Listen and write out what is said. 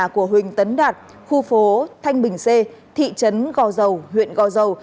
của huỳnh tấn đạt khu phố thanh bình c thị trấn gò dầu huyện gò dầu